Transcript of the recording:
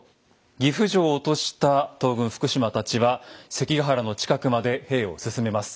岐阜城を落とした東軍福島たちは関ヶ原の近くまで兵を進めます。